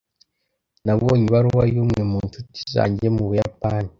Nabonye ibaruwa y'umwe mu ncuti zanjye mu Buyapani.